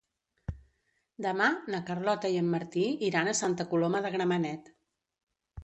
Demà na Carlota i en Martí iran a Santa Coloma de Gramenet.